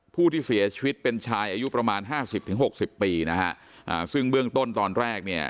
ผู้ที่เสียชีวิตเป็นชายอายุประมาณ๕๐๖๐ปีนะฮะซึ่งเบื้องต้นตอนแรกเนี่ย